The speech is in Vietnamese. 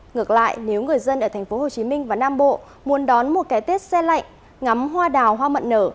ngược lại nếu người dân ở thành phố hồ chí minh và nam bộ muốn đón một cái tết xe lạnh ngắm hoa đào hoa mận nở